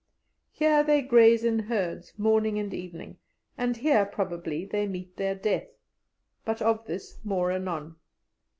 Here they graze in herds morning and evening, and here probably they meet their death but of this more anon.